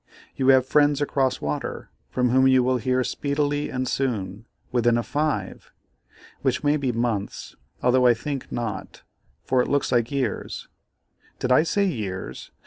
You have friends across water, from whom you will hear speedily and soon, within a 5, which may be months, although I think not, for it looks like years; did I say years?